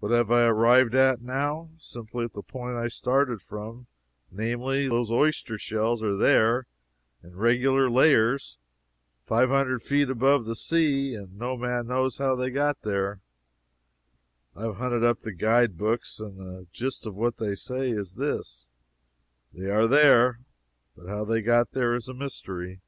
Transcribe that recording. What have I arrived at now? Simply at the point I started from, namely, those oyster shells are there, in regular layers, five hundred feet above the sea, and no man knows how they got there. I have hunted up the guide books, and the gist of what they say is this: "They are there, but how they got there is a mystery."